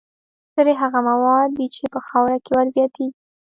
سرې هغه مواد دي چې په خاوره کې ور زیاتیږي.